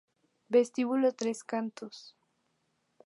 Vestíbulo Tres Cantos